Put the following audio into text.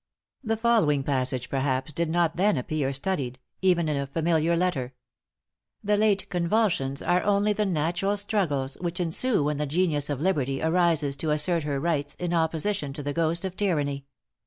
The following passage perhaps did not then appear studied, even in a familiar letter: "The late convulsions are only the natural struggles which ensue when the genius of liberty arises to assert her rights in opposition to the ghost of tyranny.